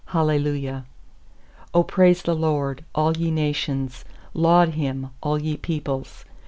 Hallelujah. 1 1 *7 0 praise the LORD, all ye nations; Laud Him, all ye peoples.